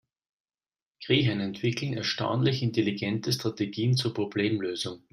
Krähen entwickeln erstaunlich intelligente Strategien zur Problemlösung.